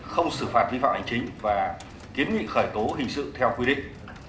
không xử phạt vi phạm hành chính và tiến nhiệm khởi tố hình sự theo quy định